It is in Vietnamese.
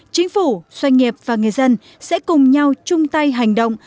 chính phủ doanh nghiệp và người dân sẽ cùng nhau chung tay hành động